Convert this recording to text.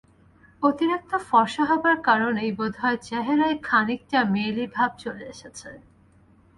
অতিরিক্ত ফর্সা হবার কারণেই বোধহয় চেহারায় খানিকটা মেয়েলি ভাব চলে এসেছে।